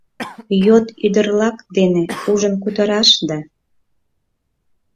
Йот ӱдырлак дене ужын кутыраш да